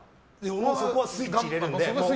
そこはスイッチ入れるんで。